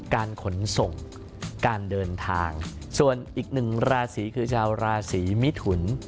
การขนส่งการเดินทางส่วนอีกหนึ่งราศีคือชาวราศีมิถุน